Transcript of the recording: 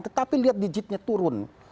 tetapi lihat digitnya turun